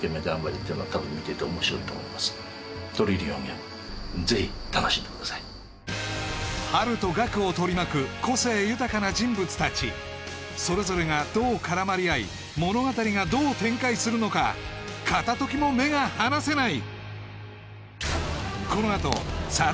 そこも楽しめますしやっぱりハルとガクを取り巻く個性豊かな人物達それぞれがどう絡まり合い物語がどう展開するのか片時も目が離せない！